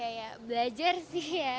apa ya belajar sih ya